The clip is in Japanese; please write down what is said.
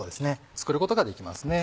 作ることができます。